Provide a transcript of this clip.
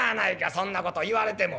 そんな事言われても。